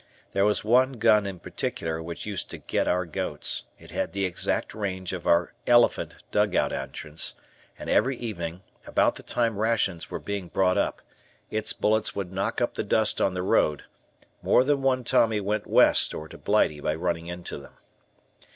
There was one gun in particular which used to get our goats, it had the exact range of our "elephant" dugout entrance, and every evening, about the time rations were being brought up, its bullets would knock up the dust on the road; more than one Tommy went West or to Blighty by running into them.